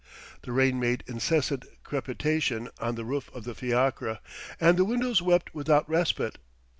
The rain made incessant crepitation on the roof of the fiacre, and the windows wept without respite.